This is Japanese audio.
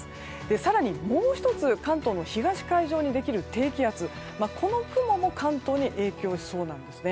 更に、もう１つ関東の東海上にできる低気圧の雲も関東に影響しそうなんです。